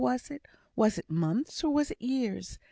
was it months or was it years?